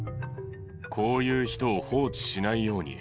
こういう人を放置しないように。